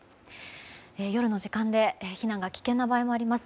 夜の時間で避難が危険な場合もあります。